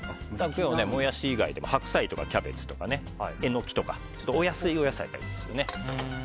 モヤシ以外でも白菜とかキャベツとかエノキとかお安いお野菜でいいですね。